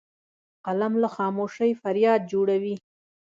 قلم له خاموشۍ فریاد جوړوي